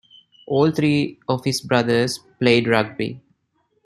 All three of his brothers played rugby.